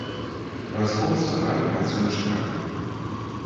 Праз год сабралі працуючы трактар.